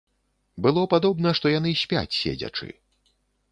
Было падобна, што яны спяць седзячы.